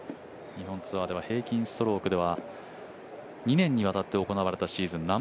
日本ツアーでは平均ストロークでは２年にわたって行われたシーズン